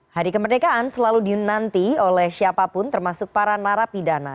hari kemerdekaan selalu dinanti oleh siapapun termasuk para narapidana